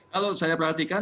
kalau saya perhatikan